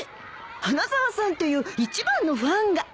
花沢さんっていう一番のファンが。